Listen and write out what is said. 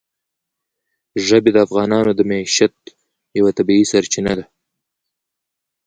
ژبې د افغانانو د معیشت یوه طبیعي سرچینه ده.